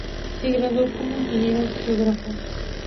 Se graduó como ingeniero geógrafo.